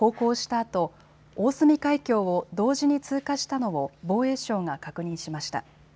あと大隅海峡を同時に通過したのを防衛省が確認しました。